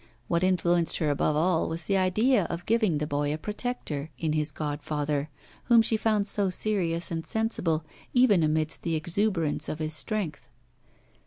What influenced her above all was the idea of giving the boy a protector in this godfather, whom she found so serious and sensible, even amidst the exuberance of his strength.